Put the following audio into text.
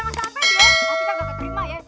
maksudnya gak keterima ya